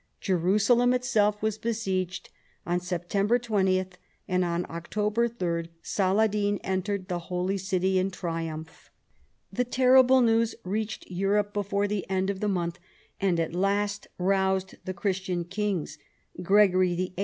Jerusalem itself was besieged on September 20, and on October 3 Saladin entered the Holy City in triumph. The terrible news reached Europe before the end of the month, and at last roused the Christian kings. Gregory VIII.